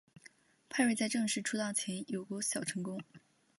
派瑞在正式出道前有过小成功。